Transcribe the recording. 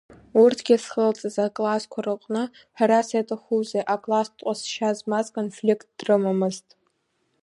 Урҭгьы зхылҵыз аклассқәа рыҟны, ҳәарас иаҭахузеи, акласстә ҟазшьа змаз конфликт рымамызт.